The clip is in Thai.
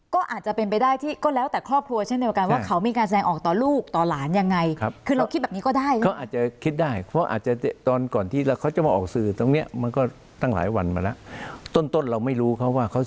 ก็อาจจะเป็นไปได้ที่ก็แล้วแต่ครอบครัวเช่นเดียวกันว่าเขามีการแสดงออกต่อลูกต่อหลานยังไง